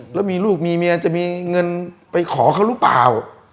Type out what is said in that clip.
แล้วมีลูกมีเมียจะมีเงินไปขอเขาหรือเปล่า